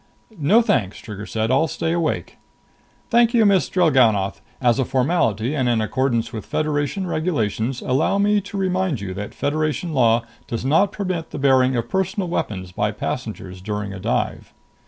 "No, thanks," Trigger said. "I'll stay awake." "Thank you, Miss Drellgannoth. As a formality and in accordance with Federation regulations, allow me to remind you that Federation Law does not permit the bearing of personal weapons by passengers during a dive."